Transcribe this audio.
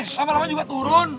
lama lama juga turun